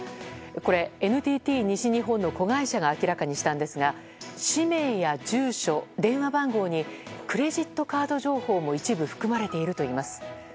これ、ＮＴＴ西日本の子会社が明らかにしたんですが氏名や住所、電話番号にクレジットカード情報も一部含まれているといいます。